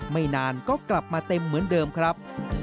ไม่นานก็กลับมาเต็มเหมือนเดิมครับ